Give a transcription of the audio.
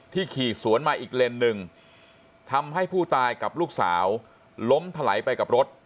ขี่สวนมาอีกเลนหนึ่งทำให้ผู้ตายกับลูกสาวล้มถลายไปกับรถ